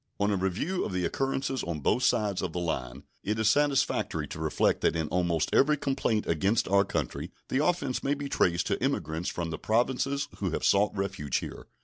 On a review of the occurrences on both sides of the line it is satisfactory to reflect that in almost every complaint against our country the offense may be traced to emigrants from the Provinces who have sought refuge here.